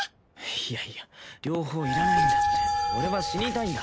いやいや両方いらないんだって俺は死にたいんだ